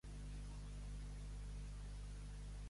Obriülls porten a vendre.